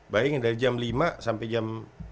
baik dari jam lima sampai jam